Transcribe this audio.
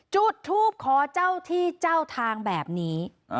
จุดทูปขอเจ้าที่เจ้าทางแบบนี้